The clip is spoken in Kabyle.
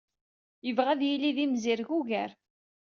Yebɣa ad yili d imzireg ugar.